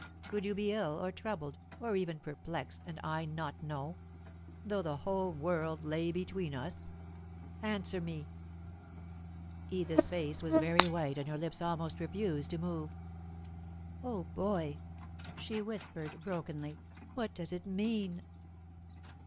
Could you be ill, or troubled, or even perplexed, and I not know, though the whole world lay between us? Answer me!" [Sidenote: Oblivious of Time and Space] Edith's face was very white and her lips almost refused to move. "Oh, Boy," she whispered, brokenly. "What does it mean?"